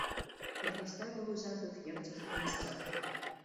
Гарнастай быў узяты з герцагскага сцяга.